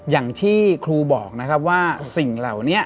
อย่างที่ครูบอกว่าสิ่งเหล่านี้